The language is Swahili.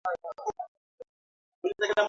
Tia vikombe saba vya unga kwenye dishi au sufuria